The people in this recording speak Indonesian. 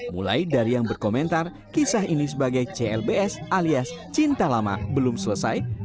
mulai dari yang berkomentar kisah ini sebagai clbs alias cinta lama belum selesai